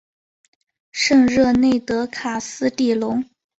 圣热内德卡斯蒂隆。